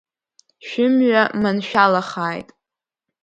Шәымҩа маншәалахааит!